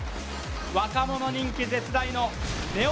若者人気絶大のネオ